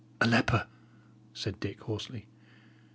"A leper!" said Dick, hoarsely.